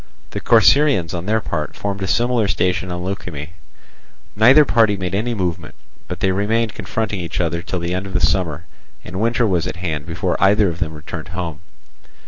The Corcyraeans on their part formed a similar station on Leukimme. Neither party made any movement, but they remained confronting each other till the end of the summer, and winter was at hand before either of them returned home.